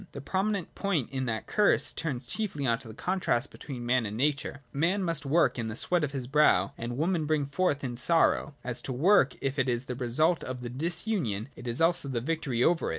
The prominent point in that curse turns chiefly on the contrast between man and nature. Man Imust work in the sweat of his brow : and woman bring forth jin sorrow. As to work, if it is the result of the disunion, it is also the victory over it.